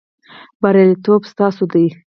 بریالیتوب ستاسو دی